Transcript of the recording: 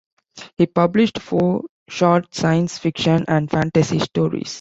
He published four short science fiction and fantasy stories.